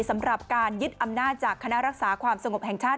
สำหรับการยึดอำนาจจากคณะรักษาความสงบแห่งชาติ